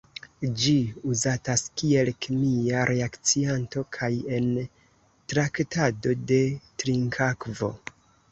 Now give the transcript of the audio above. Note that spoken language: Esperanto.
Ĝi uzatas kiel kemia reakcianto kaj en traktado de trinkakvo.